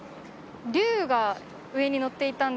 龍が上にのっていたんですが。